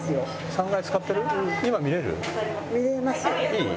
いい？